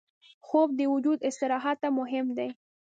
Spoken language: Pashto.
خوب د وجود استراحت ته مهم دی